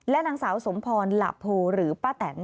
และนางสาวสมพรหลับภูหรือป๊าแตน